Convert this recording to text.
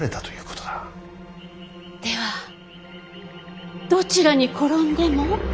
ではどちらに転んでも？